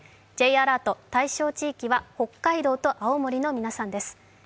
Ｊアラート、対象地域は北海道と青森の皆さんです。